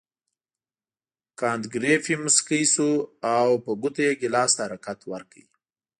کانت ګریفي مسکی شو او په ګوتو یې ګیلاس ته حرکت ورکړ.